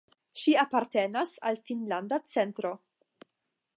Ŝi apartenas al Finnlanda Centro.